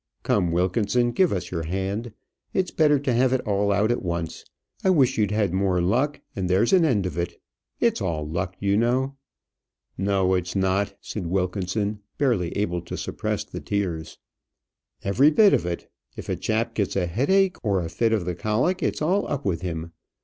Come, Wilkinson, give us your hand. It's better to have it all out at once. I wish you'd had more luck, and there's an end of it. It's all luck, you know." "No, it's not," said Wilkinson, barely able to suppress the tears. "Every bit of it. If a chap gets a headache, or a fit of the colic, it's all up with him.